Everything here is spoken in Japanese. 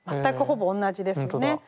全くほぼ同じですよね。